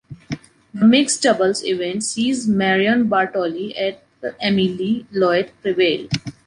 The mixed doubles event sees Marion Bartoli et Émilie Loit prevail.